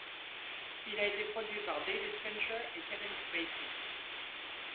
Il a été produit par David Fincher, et Kevin Spacey.